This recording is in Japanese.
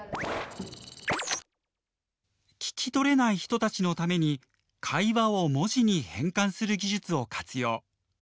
聞きとれない人たちのために会話を文字に変換する技術を活用。